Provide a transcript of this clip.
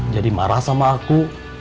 jadi marah sama aku